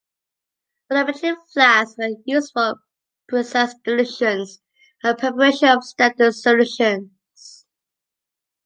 Volumetric flasks are used for precise dilutions and preparation of standard solutions.